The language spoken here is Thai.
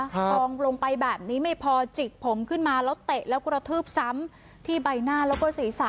ทองลงไปแบบนี้ไม่พอจิกผมขึ้นมาแล้วเตะแล้วกระทืบซ้ำที่ใบหน้าแล้วก็ศีรษะ